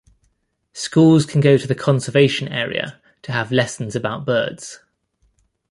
Schools can go to the Conservation area to have lessons about birds.